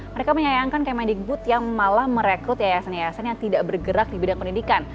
mereka menyayangkan kemendikbud yang malah merekrut yayasan yayasan yang tidak bergerak di bidang pendidikan